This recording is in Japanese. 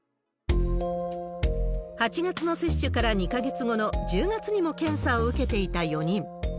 ８月の接種から２か月後の１０月にも検査を受けていた４人。